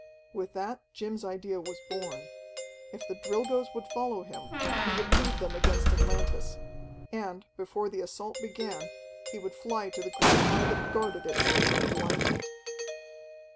With that Jim's idea was born. If the Drilgoes would follow him, he would lead them against Atlantis. And, before the assault began, he would fly to the great Eye that guarded it, and blind it.